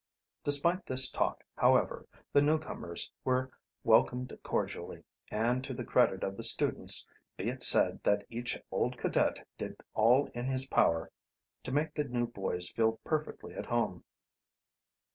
Despite this talk, however, the newcomers were welcomed cordially, and to the credit of the students be it said that each old cadet did all in his power to make the new boys feel perfectly at home.